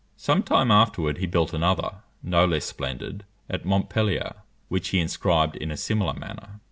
Some time afterwards he built another, no less splendid, at Montpellier, which he inscribed in a similar manner.